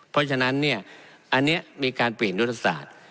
เพราะฉะนั้นเนี่ยอันนี้มีการเปลี่ยนยุทธศาสตร์